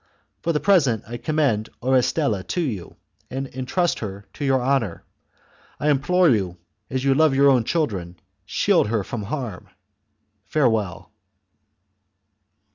For the present I commend Orestilla to you, and entrust her to your honour. I implore you, as you love your own chil dren, shield her from harm. Farewell."